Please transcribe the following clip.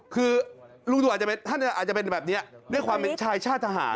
คือลุงตู่อาจจะเป็นแบบนี้ด้วยความเป็นชายชาติทหาร